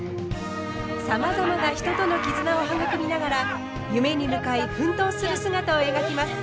さまざまな人との絆を育みながら夢に向かい奮闘する姿を描きます。